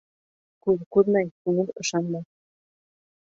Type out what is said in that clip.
Күҙ күрмәй күңел ышанмаҫ.